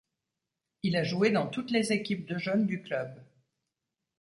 Il a joué dans toutes les équipes de jeunes du club.